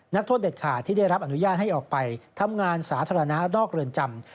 นักโทษเด็ดขาดที่ได้รับอนุญาตให้ออกไปทำงานสาธารณะนอกเรือนจำ